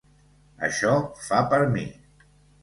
Això fa per mi.